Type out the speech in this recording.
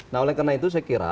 nah oleh karena itu saya kira